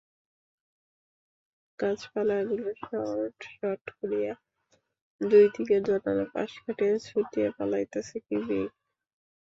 গাছপালাগুলো সর্টসট করিয়া দুদিকের জানালার পাশ কাটাইয়া ছুটিয়া পলাইতেছে-কী বেগ!